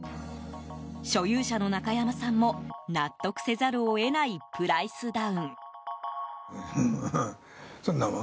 所有者の中山さんも納得せざるを得ないプライスダウン。